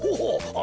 あ！